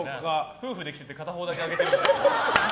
夫婦で来てて片方だけ上げてたらつらい。